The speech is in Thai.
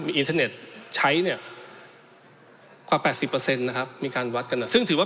มีอินเทอร์เน็ตใช้เนี่ยกว่า๘๐นะครับมีการวัดกันซึ่งถือว่า